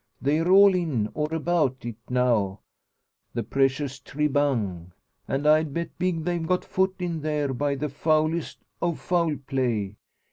They're all in, or about, it now the precious tribang an' I'd bet big they've got foot in there by the foulest o' foul play.